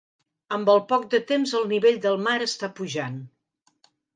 Amb el poc de temps el nivell del mar està pujant.